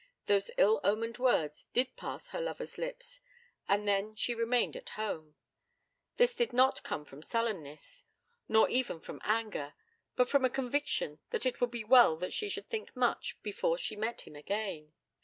Those ill omened words did pass her lover's lips, and then she remained at home. This did not come from sullenness, nor even from anger, but from a conviction that it would be well that she should think much before she met him again.